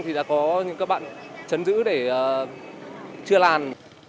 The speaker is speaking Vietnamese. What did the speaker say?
thì đã có những các bạn chấn giữ để chia làn